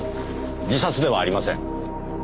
自殺ではありません。